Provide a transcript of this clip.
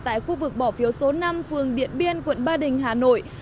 tại khu vực bỏ phiếu số năm phường điện biên quận ba đình hà nội